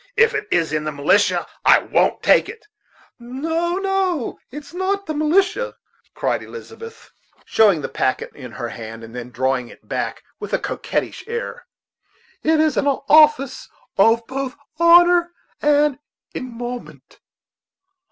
If it is in the militia, I won't take it. "No, no, it is not in the militia," cried Elizabeth, showing the packet in her hand, and then drawing it back with a coquettish air; "it is an office of both honor and emolument."